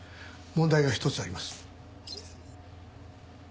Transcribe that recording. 問題が１つあります。